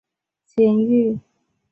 黄光裕现羁押于北京市第二监狱。